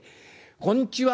こんちは！」。